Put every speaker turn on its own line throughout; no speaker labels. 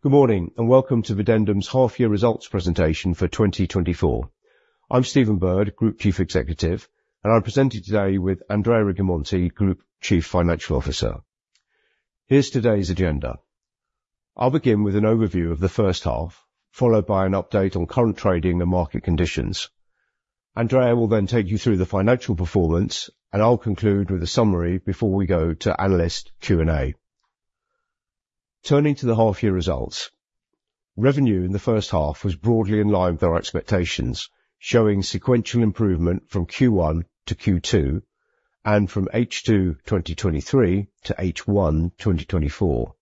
Good morning, and welcome to Videndum's half-year results presentation for 2024. I'm Stephen Bird, Group Chief Executive, and I'm presenting today with Andrea Rigamonti, Group Chief Financial Officer. Here's today's agenda. I'll begin with an overview of the first half, followed by an update on current trading and market conditions. Andrea will then take you through the financial performance, and I'll conclude with a summary before we go to analyst Q&A. Turning to the half-year results, revenue in the first half was broadly in line with our expectations, showing sequential improvement from Q1 to Q2 and from H2 2023 to H1 2024.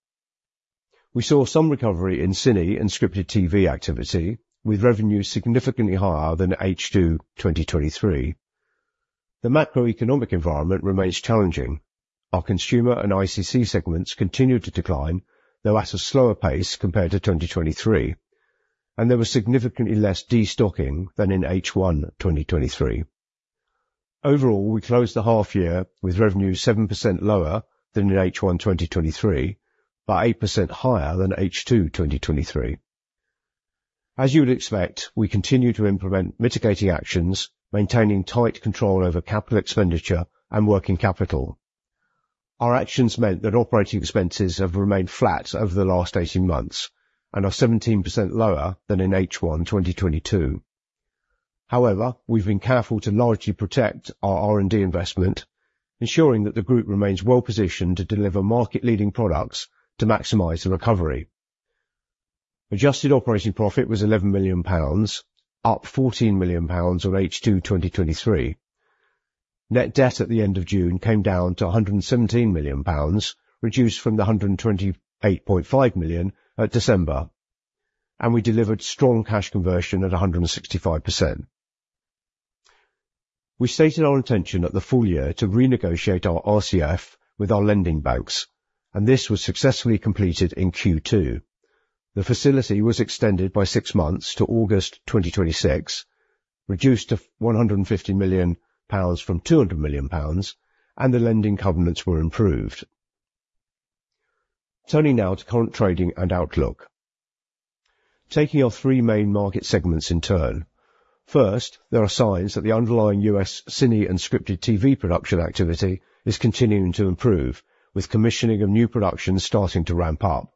We saw some recovery in cine and scripted TV activity, with revenue significantly higher than H2 2023. The macroeconomic environment remains challenging. Our consumer and ICC segments continued to decline, though at a slower pace compared to 2023, and there was significantly less destocking than in H1 2023. Overall, we closed the half-year with revenue 7% lower than in H1 2023, but 8% higher than H2 2023. As you would expect, we continue to implement mitigating actions, maintaining tight control over capital expenditure and working capital. Our actions meant that operating expenses have remained flat over the last 18 months and are 17% lower than in H1 2022. However, we've been careful to largely protect our R&D investment, ensuring that the group remains well-positioned to deliver market-leading products to maximize the recovery. Adjusted operating profit was 11 million pounds, up 14 million pounds on H2 2023. Net debt at the end of June came down to GBP 117 million, reduced from GBP 128.5 million at December, and we delivered strong cash conversion at 165%. We stated our intention at the full year to renegotiate our RCF with our lending banks, and this was successfully completed in Q2. The facility was extended by six months to August 2026, reduced to GBP 150 million from GBP 200 million, and the lending covenants were improved. Turning now to current trading and outlook. Taking our three main market segments in turn. First, there are signs that the underlying U.S. cine and scripted TV production activity is continuing to improve, with commissioning of new productions starting to ramp up.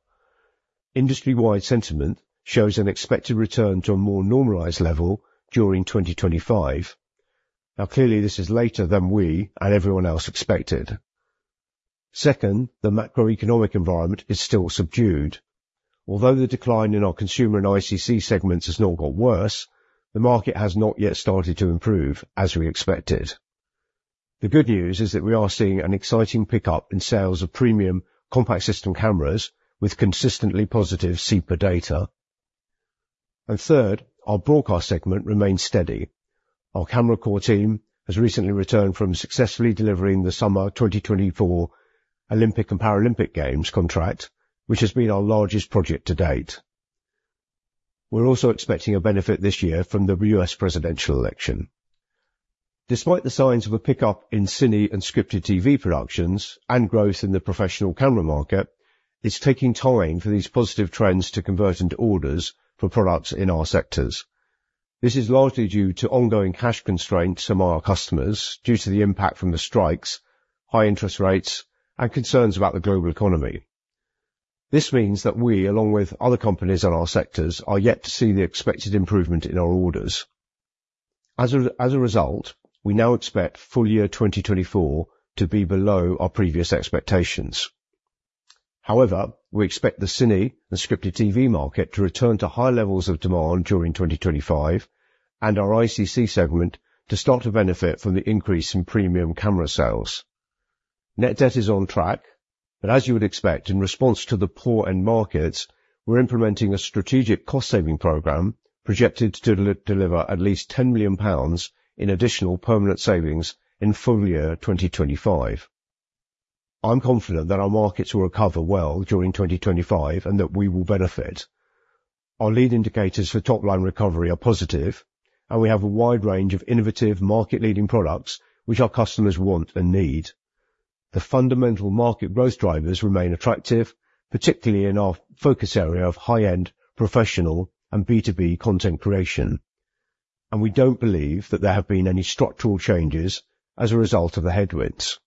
Industry-wide sentiment shows an expected return to a more normalized level during 2025. Now, clearly, this is later than we and everyone else expected. Second, the macroeconomic environment is still subdued. Although the decline in our consumer and ICC segments has not got worse, the market has not yet started to improve as we expected. The good news is that we are seeing an exciting pickup in sales of premium compact system cameras with consistently positive CIPA data. And third, our broadcast segment remains steady. Our camera core team has recently returned from successfully delivering the Summer 2024 Olympic and Paralympic Games contract, which has been our largest project to date. We're also expecting a benefit this year from the U.S. presidential election. Despite the signs of a pickup in cine and scripted TV productions and growth in the professional camera market, it's taking time for these positive trends to convert into orders for products in our sectors. This is largely due to ongoing cash constraints among our customers due to the impact from the strikes, high interest rates, and concerns about the global economy. This means that we, along with other companies in our sectors, are yet to see the expected improvement in our orders. As a result, we now expect full-year 2024 to be below our previous expectations. However, we expect the cine and scripted TV market to return to high levels of demand during 2025 and our ICC segment to start to benefit from the increase in premium camera sales. Net debt is on track, but as you would expect, in response to the poor end markets, we're implementing a strategic cost-saving program projected to deliver at least 10 million pounds in additional permanent savings in full-year 2025. I'm confident that our markets will recover well during 2025 and that we will benefit. Our lead indicators for top-line recovery are positive, and we have a wide range of innovative, market-leading products which our customers want and need. The fundamental market growth drivers remain attractive, particularly in our focus area of high-end, professional and B2B content creation, and we don't believe that there have been any structural changes as a result of the headwinds.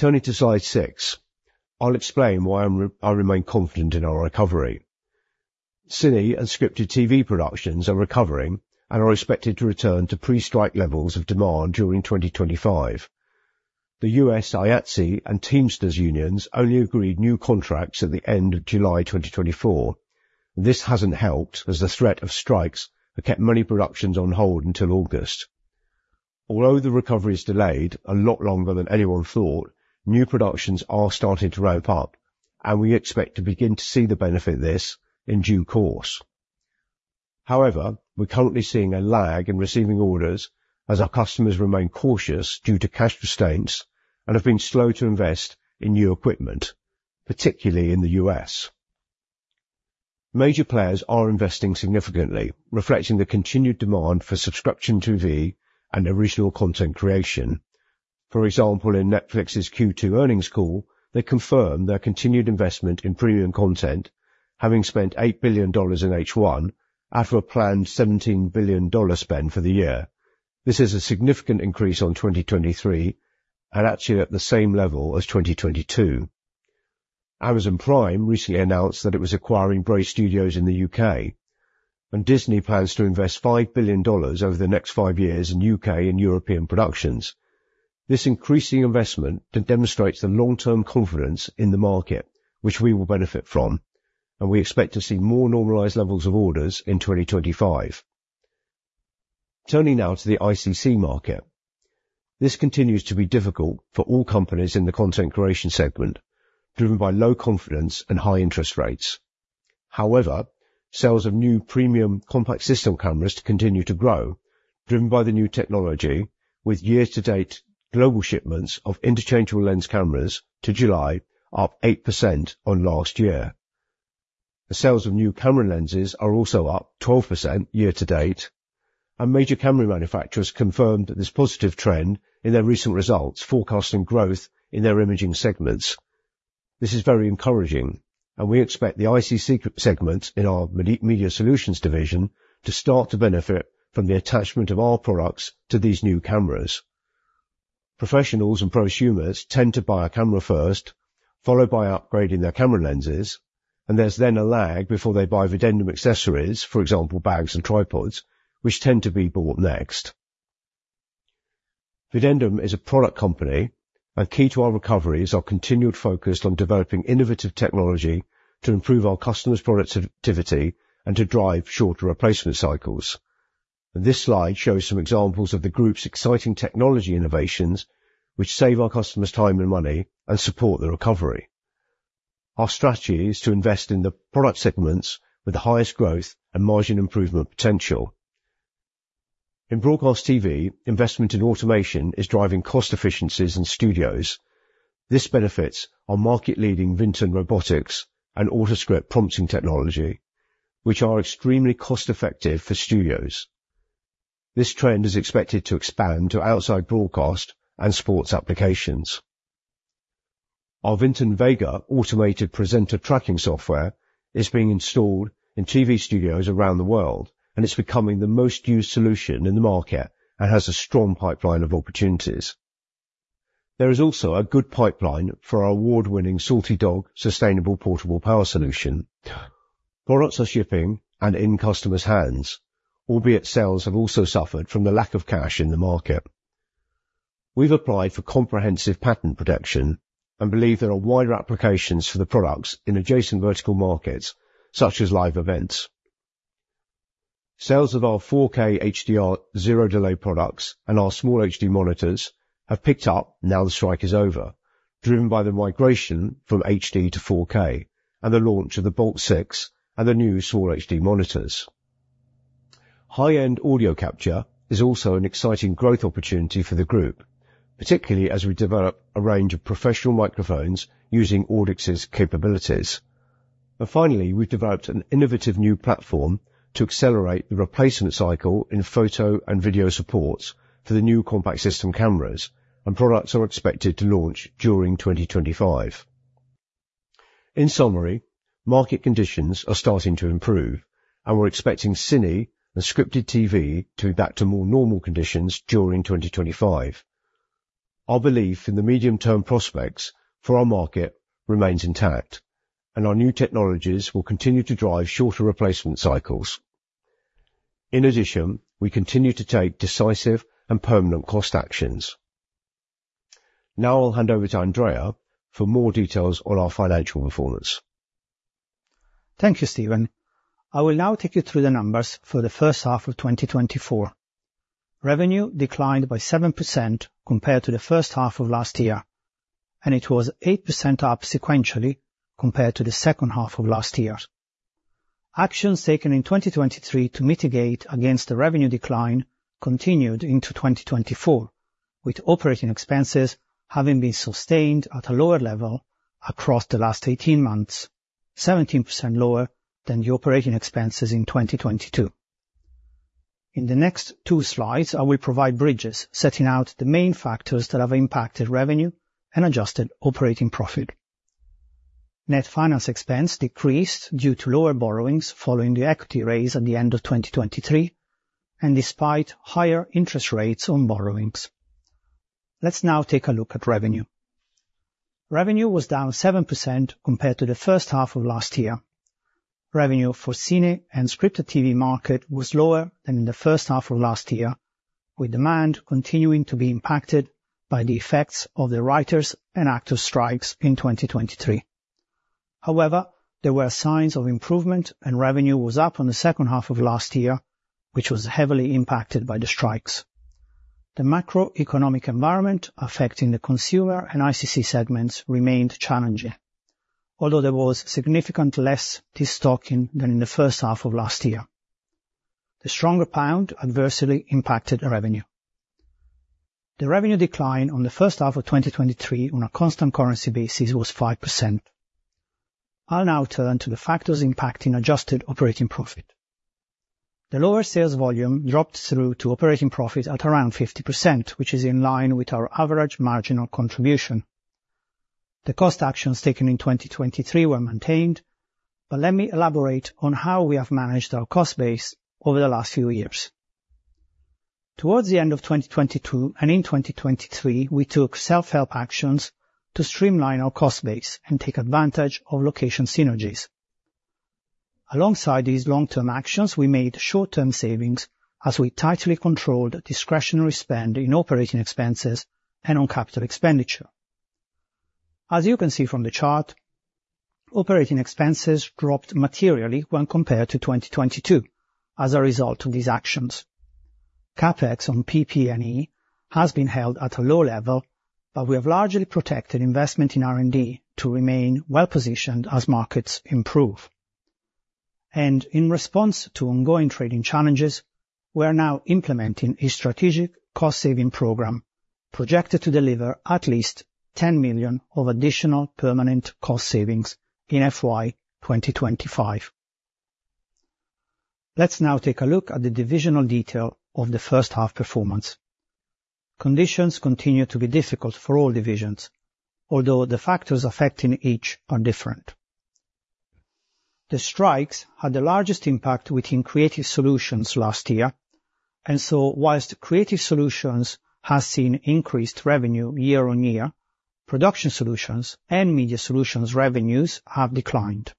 Turning to slide six, I'll explain why I remain confident in our recovery. Cine and scripted TV productions are recovering and are expected to return to pre-strike levels of demand during 2025. The U.S. IATSE and Teamsters unions only agreed new contracts at the end of July 2024. This hasn't helped, as the threat of strikes have kept many productions on hold until August. Although the recovery is delayed a lot longer than anyone thought, new productions are starting to ramp up, and we expect to begin to see the benefit of this in due course. However, we're currently seeing a lag in receiving orders as our customers remain cautious due to cash restraints and have been slow to invest in new equipment, particularly in the U.S. Major players are investing significantly, reflecting the continued demand for subscription TV and original content creation. For example, in Netflix's Q2 earnings call, they confirmed their continued investment in premium content, having spent $8 billion in H1, out of a planned $17 billion spend for the year. This is a significant increase on 2023, and actually at the same level as 2022. Amazon Prime recently announced that it was acquiring Bray Film Studios in the U.K., and Disney plans to invest $5 billion over the next five years in U.K. and European productions. This increasing investment demonstrates the long-term confidence in the market, which we will benefit from, and we expect to see more normalized levels of orders in 2025. Turning now to the ICC market. This continues to be difficult for all companies in the content creation segment, driven by low confidence and high interest rates. However, sales of new premium compact system cameras continue to grow, driven by the new technology, with year-to-date global shipments of interchangeable lens cameras to July, up 8% on last year. The sales of new camera lenses are also up 12% year to date, and major camera manufacturers confirmed that this positive trend in their recent results. Forecasting growth in their imaging segments. This is very encouraging, and we expect the ICC segment in our Media Solutions Division to start to benefit from the attachment of our products to these new cameras. Professionals and prosumers tend to buy a camera first, followed by upgrading their camera lenses, and there's then a lag before they buy Videndum accessories, for example, bags and tripods, which tend to be bought next. Videndum is a product company, and key to our recovery is our continued focus on developing innovative technology to improve our customers' productivity and to drive shorter replacement cycles. This slide shows some examples of the group's exciting technology innovations, which save our customers time and money and support the recovery. Our strategy is to invest in the product segments with the highest growth and margin improvement potential. In broadcast TV, investment in automation is driving cost efficiencies in studios. This benefits our market-leading Vinten Robotics and Autoscript prompting technology, which are extremely cost-effective for studios. This trend is expected to expand to outside broadcast and sports applications. Our Vinten VEGA automated presenter tracking software is being installed in TV studios around the world, and it's becoming the most used solution in the market and has a strong pipeline of opportunities. There is also a good pipeline for our award-winning Salt-E Dog sustainable portable power solution. Products are shipping and in customers' hands, albeit sales have also suffered from the lack of cash in the market. We've applied for comprehensive patent protection and believe there are wider applications for the products in adjacent vertical markets, such as live events. Sales of our 4K HDR zero-delay products and our SmallHD monitors have picked up, now the strike is over, driven by the migration from HD to 4K and the launch of the Bolt 6 and the new SmallHD monitors. High-end audio capture is also an exciting growth opportunity for the group, particularly as we develop a range of professional microphones using Audix's capabilities, and finally, we've developed an innovative new platform to accelerate the replacement cycle in photo and video supports for the new compact system cameras, and products are expected to launch during 2025. In summary, market conditions are starting to improve, and we're expecting cine and scripted TV to be back to more normal conditions during 2025. Our belief in the medium-term prospects for our market remains intact, and our new technologies will continue to drive shorter replacement cycles. In addition, we continue to take decisive and permanent cost actions. Now I'll hand over to Andrea for more details on our financial performance.
Thank you, Stephen. I will now take you through the numbers for the first half of 2024. Revenue declined by 7% compared to the first half of last year, and it was 8% up sequentially compared to the second half of last year. Actions taken in 2023 to mitigate against the revenue decline continued into 2024, with operating expenses having been sustained at a lower level across the last 18 months, 17% lower than the operating expenses in 2022. In the next two slides, I will provide bridges, setting out the main factors that have impacted revenue and adjusted operating profit. Net finance expense decreased due to lower borrowings following the equity raise at the end of 2023 and despite higher interest rates on borrowings. Let's now take a look at revenue. Revenue was down 7% compared to the first half of last year. Revenue for cine and scripted TV market was lower than in the first half of last year, with demand continuing to be impacted by the effects of the writers and actors strikes in 2023. However, there were signs of improvement, and revenue was up on the second half of last year, which was heavily impacted by the strikes. The macroeconomic environment affecting the consumer and ICC segments remained challenging, although there was significantly less destocking than in the first half of last year. The stronger pound adversely impacted revenue. The revenue decline on the first half of 2023 on a constant currency basis was 5%. I'll now turn to the factors impacting adjusted operating profit. The lower sales volume dropped through to operating profit at around 50%, which is in line with our average marginal contribution. The cost actions taken in 2023 were maintained, but let me elaborate on how we have managed our cost base over the last few years. Towards the end of 2022, and in 2023, we took self-help actions to streamline our cost base and take advantage of location synergies. Alongside these long-term actions, we made short-term savings as we tightly controlled discretionary spend in operating expenses and on capital expenditure. As you can see from the chart, operating expenses dropped materially when compared to 2022 as a result of these actions. CapEx on PP&E has been held at a low level, but we have largely protected investment in R&D to remain well-positioned as markets improve. In response to ongoing trading challenges, we are now implementing a strategic cost-saving program projected to deliver at least 10 million of additional permanent cost savings in FY 2025. Let's now take a look at the divisional detail of the first half performance. Conditions continue to be difficult for all divisions, although the factors affecting each are different. The strikes had the largest impact within Creative Solutions last year, and so while Creative Solutions has seen increased revenue year-on-year, Production Solutions and Media Solutions revenues have declined.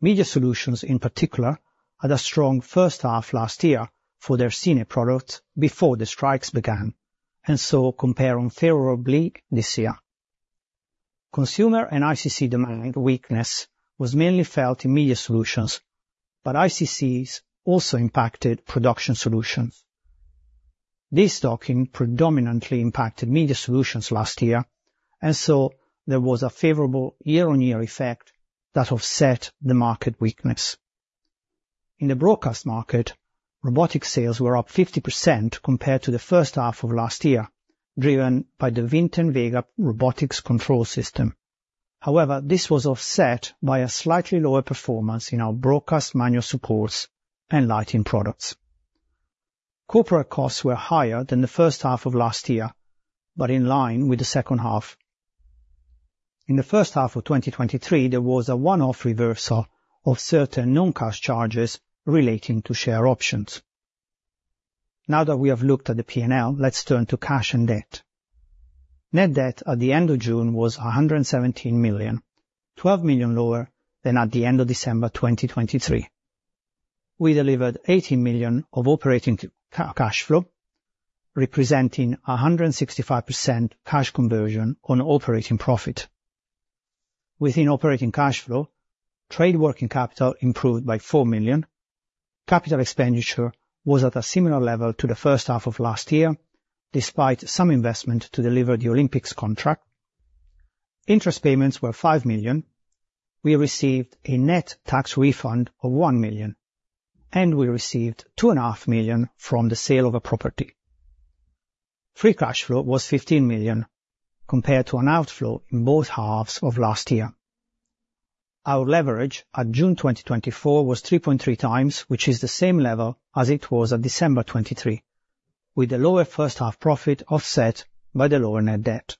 Media Solutions, in particular, had a strong first half last year for their Cine products before the strikes began, and so compare unfavorably this year. Consumer and ICC demand weakness was mainly felt in Media Solutions, but ICCs also impacted Production Solutions. Destocking predominantly impacted Media Solutions last year, and so there was a favorable year-on-year effect that offset the market weakness. In the broadcast market, robotic sales were up 50% compared to the first half of last year, driven by the Vinten VEGA Robotics Control System. However, this was offset by a slightly lower performance in our broadcast manual supports and lighting products. Corporate costs were higher than the first half of last year, but in line with the second half. In the first half of 2023, there was a one-off reversal of certain non-cash charges relating to share options. Now that we have looked at the P&L, let's turn to cash and debt. Net debt at the end of June was 117 million, 12 million lower than at the end of December 2023. We delivered 80 million of operating cash flow, representing 165% cash conversion on operating profit. Within operating cash flow, trade working capital improved by 4 million. Capital expenditure was at a similar level to the first half of last year, despite some investment to deliver the Olympics contract. Interest payments were 5 million. We received a net tax refund of 1 million, and we received 2.5 million from the sale of a property. Free cash flow was 15 million, compared to an outflow in both halves of last year. Our leverage at June 2024 was 3.3x, which is the same level as it was at December 2023, with the lower first half profit offset by the lower net debt.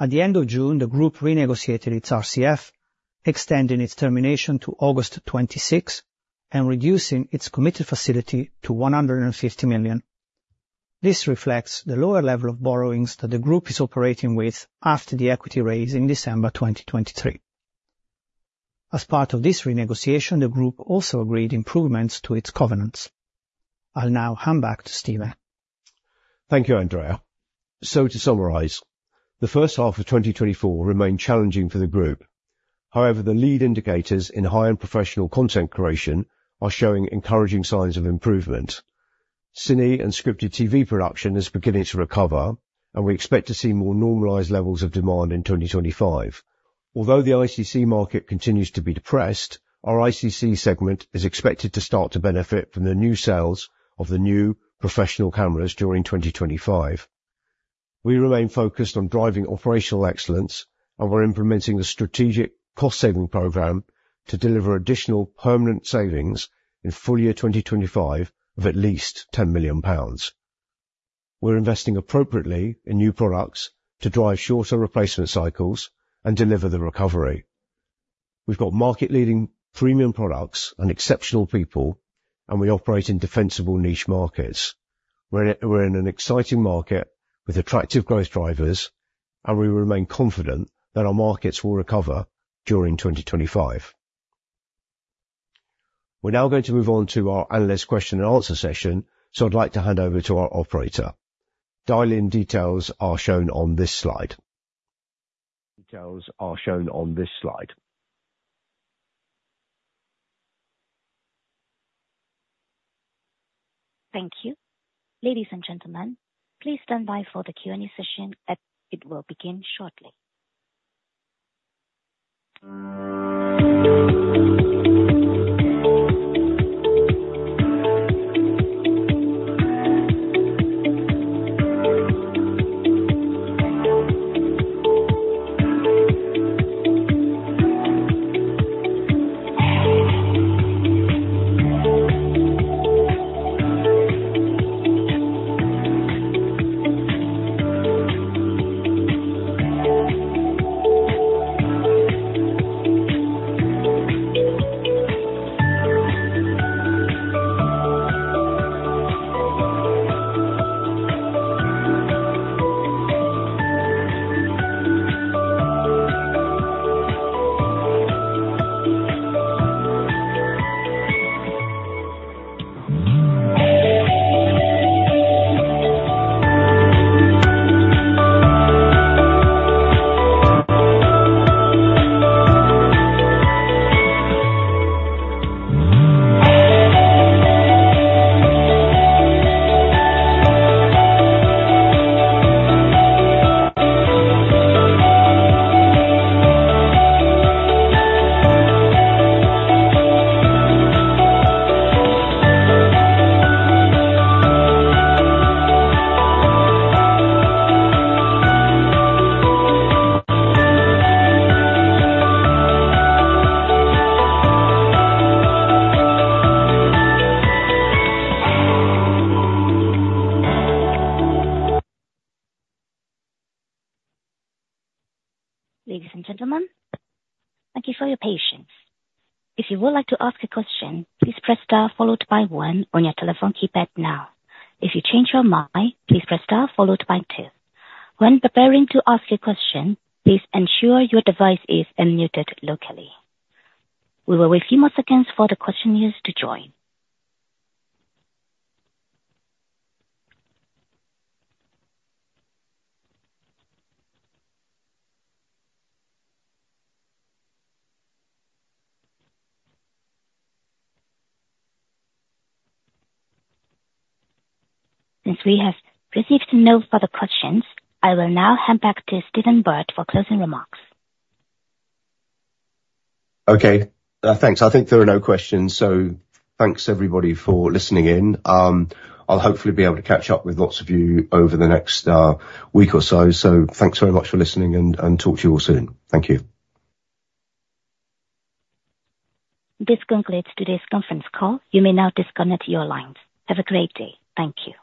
At the end of June, the group renegotiated its RCF, extending its termination to August 2026 and reducing its committed facility to 150 million. This reflects the lower level of borrowings that the group is operating with after the equity raise in December 2023. As part of this renegotiation, the group also agreed improvements to its covenants. I'll now hand back to Stephen.
Thank you, Andrea. To summarize, the first half of 2024 remained challenging for the group. However, the lead indicators in high-end professional content creation are showing encouraging signs of improvement. Cine and scripted TV production is beginning to recover, and we expect to see more normalized levels of demand in 2025. Although the ICC market continues to be depressed, our ICC segment is expected to start to benefit from the new sales of the new professional cameras during 2025. We remain focused on driving operational excellence, and we're implementing the strategic cost saving program to deliver additional permanent savings in full-year 2025 of at least 10 million pounds. We're investing appropriately in new products to drive shorter replacement cycles and deliver the recovery. We've got market-leading premium products and exceptional people, and we operate in defensible niche markets. We're in an exciting market with attractive growth drivers, and we remain confident that our markets will recover during 2025. We're now going to move on to our analyst question and answer session, so I'd like to hand over to our operator. Dial-in details are shown on this slide.
Thank you. Ladies and gentlemen, please stand by for the Q&A session, as it will begin shortly. Ladies and gentlemen, thank you for your patience. If you would like to ask a question, please press star followed by one on your telephone keypad now. If you change your mind, please press star followed by two. When preparing to ask your question, please ensure your device is unmuted locally. We will wait a few more seconds for the questioners to join. Since we have received no further questions, I will now hand back to Stephen Bird for closing remarks.
Okay. Thanks. I think there are no questions, so thanks, everybody, for listening in. I'll hopefully be able to catch up with lots of you over the next week or so. So thanks very much for listening and talk to you all soon. Thank you.
This concludes today's conference call. You may now disconnect your lines. Have a great day. Thank you.